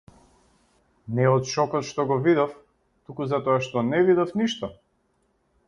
Не од шокот што го видов, туку затоа што не видов ништо.